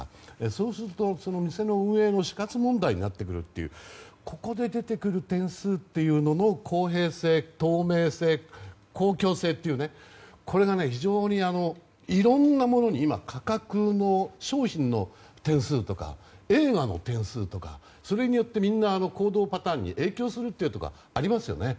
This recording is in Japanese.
そうすると店の運営の死活問題になってくるというここで出てくる点数というものの公平性、透明性、公共性というこれが非常にいろんなものに今、価格の商品の点数とか映画の点数とか、それによってみんな行動パターンに影響するというところがありますよね。